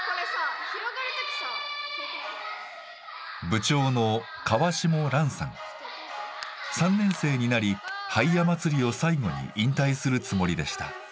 部長の３年生になりハイヤ祭りを最後に引退するつもりでした。